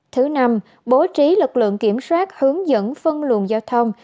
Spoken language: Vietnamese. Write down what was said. thứ năm bố trí lực lượng kiểm soát hướng dẫn phân luận giao thông